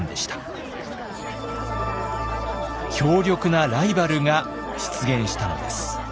強力なライバルが出現したのです。